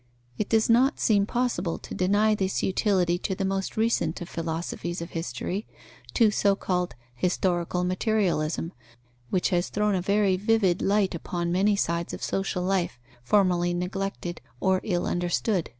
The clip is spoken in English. It does not seem possible to deny this utility to the most recent of philosophies of history, to so called historical materialism, which has thrown a very vivid light upon many sides of social life, formerly neglected or ill understood.